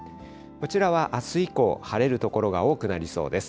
こちらはあす以降、晴れる所が多くなりそうです。